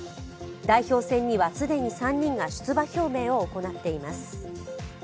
代表戦には既に３人が出馬表明を行っています。